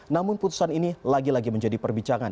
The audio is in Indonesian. namun putusan ini lagi lagi menjadi perbincangan